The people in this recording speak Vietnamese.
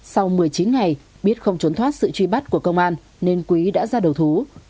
sau một mươi chín ngày biết không trốn thoát sự truy bắt của công an nên quý đã ra đầu thú